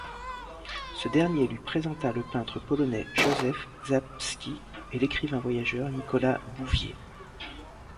Ce dernier lui présenta le peintre polonais Józef Czapski et l'écrivain voyageur Nicolas Bouvier.